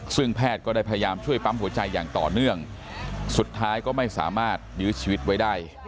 ซึ่งแพทย์ก็ได้พยายามช่วยปั๊มหัวใจอย่างต่อเนื่องสุดท้ายก็ไม่สามารถยื้อชีวิตไว้ได้